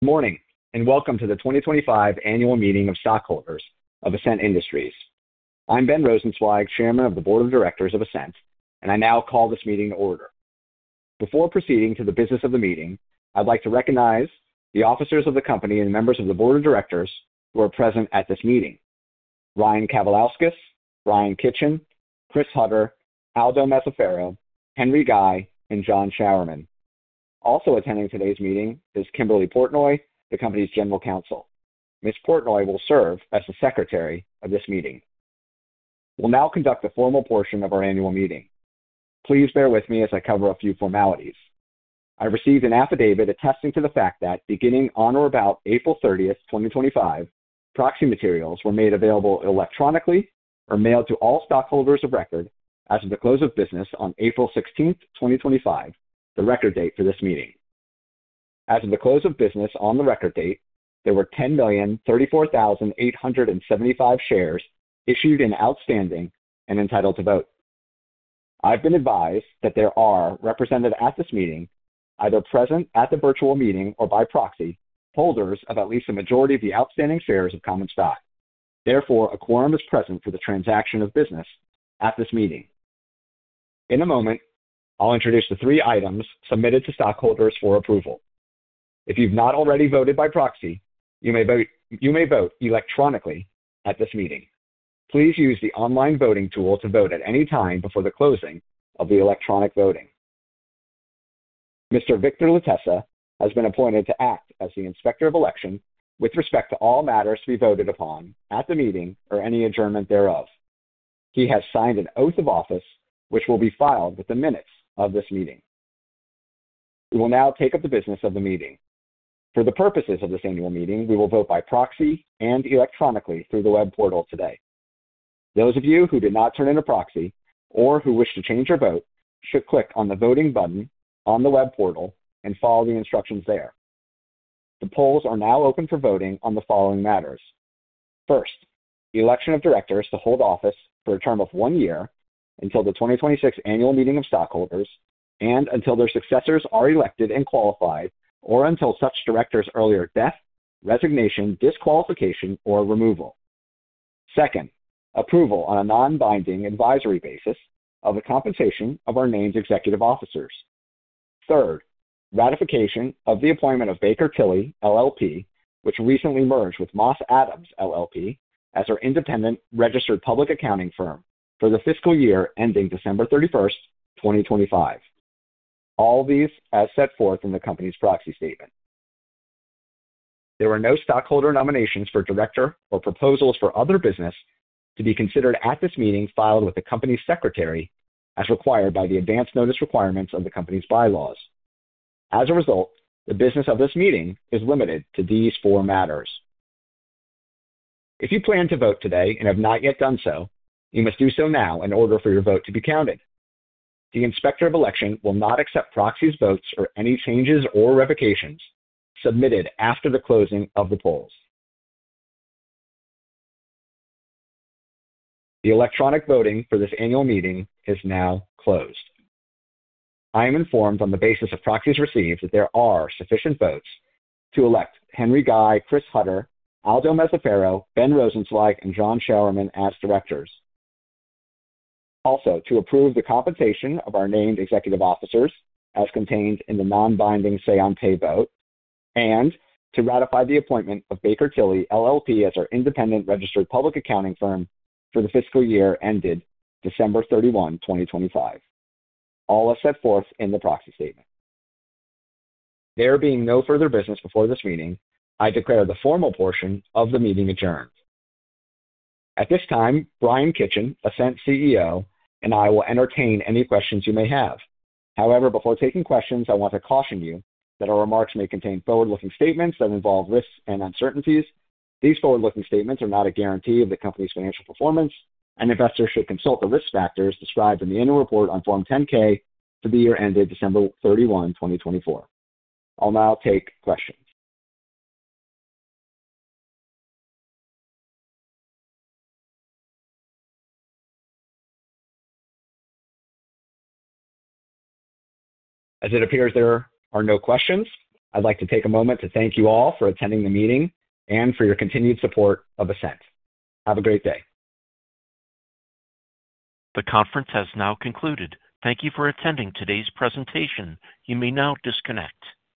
Good morning and welcome to the 2025 Annual Meeting of Stockholders of Ascent Industries. I'm Ben Rosenzweig, Chairman of the Board of Directors of Ascent, and I now call this meeting to order. Before proceeding to the business of the meeting, I'd like to recognize the officers of the company and members of the Board of Directors who are present at this meeting: Ryan Kavalauskas, Brian Kitchen, Chris Hutter, Aldo Mazzaferro, Henry Guy, and John Showerman. Also attending today's meeting is Kimberly Portnoy, the company's general counsel. Ms. Portnoy will serve as the secretary of this meeting. We'll now conduct the formal portion of our annual meeting. Please bear with me as I cover a few formalities. I received an affidavit attesting to the fact that, beginning on or about April 30th, 2025, proxy materials were made available electronically or mailed to all stockholders of record as of the close of business on April 16, 2025, the record date for this meeting. As of the close of business on the record date, there were 10,034,875 shares issued and outstanding and entitled to vote. I've been advised that there are, represented at this meeting, either present at the virtual meeting or by proxy, holders of at least the majority of the outstanding shares of common stock. Therefore, a quorum is present for the transaction of business at this meeting. In a moment, I'll introduce the three items submitted to stockholders for approval. If you've not already voted by proxy, you may vote electronically at this meeting. Please use the online voting tool to vote at any time before the closing of the electronic voting. Mr. Victor Lutessa has been appointed to act as the inspector of election with respect to all matters to be voted upon at the meeting or any adjournment thereof. He has signed an oath of office, which will be filed with the minutes of this meeting. We will now take up the business of the meeting. For the purposes of this annual meeting, we will vote by proxy and electronically through the web portal today. Those of you who did not turn in a proxy or who wish to change your vote should click on the voting button on the web portal and follow the instructions there. The polls are now open for voting on the following matters. First, the election of directors to hold office for a term of one year until the 2026 Annual Meeting of Stockholders and until their successors are elected and qualified, or until such directors' earlier death, resignation, disqualification, or removal. Second, approval on a non-binding advisory basis of the compensation of our named executive officers. Third, ratification of the appointment of Baker Tilly, LLP, which recently merged with Moss Adams, LLP, as our independent registered public accounting firm for the fiscal year ending December 31st, 2025. All these as set forth in the company's proxy statement. There were no stockholder nominations for director or proposals for other business to be considered at this meeting filed with the company's secretary as required by the advance notice requirements of the company's bylaws. As a result, the business of this meeting is limited to these four matters. If you plan to vote today and have not yet done so, you must do so now in order for your vote to be counted. The inspector of election will not accept proxies, votes, or any changes or revocations submitted after the closing of the polls. The electronic voting for this annual meeting is now closed. I am informed on the basis of proxies received that there are sufficient votes to elect Henry Guy, Chris Hutter, Aldo Mazzaferro, Ben Rosenzweig, and John Showerman as directors. Also, to approve the compensation of our named executive officers as contained in the non-binding say-on-pay vote and to ratify the appointment of Baker Tilly, LLP, as our independent registered public accounting firm for the fiscal year ended December 31, 2025. All as set forth in the proxy statement. There being no further business before this meeting, I declare the formal portion of the meeting adjourned. At this time, Brian Kitchen, Ascent CEO, and I will entertain any questions you may have. However, before taking questions, I want to caution you that our remarks may contain forward-looking statements that involve risks and uncertainties. These forward-looking statements are not a guarantee of the company's financial performance, and investors should consult the risk factors described in the Annual Report on Form 10-K for the year ended December 31, 2024. I'll now take questions. As it appears there are no questions, I'd like to take a moment to thank you all for attending the meeting and for your continued support of Ascent. Have a great day. The conference has now concluded. Thank you for attending today's presentation. You may now disconnect.